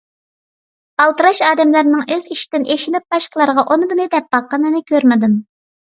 ئالدىراش ئادەملەرنىڭ ئۆز ئىشىدىن ئېشىنىپ باشقىلارغا ئۇنى بۇنى دەپ باققىنىنى كۆرمىدىم.